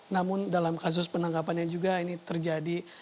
namun dalam kasus penangkapannya juga ini terjadi